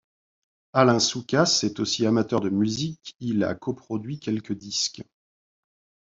Alain Soucasse est aussi amateur de musique, il a coproduit quelques disques.